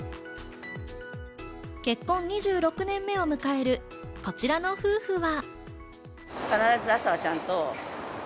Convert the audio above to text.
結婚２６年目を迎えるこちらの夫婦は。